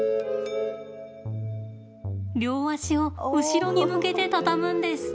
両足を後ろに向けて畳むんです。